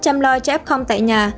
chăm lo cho f tại nhà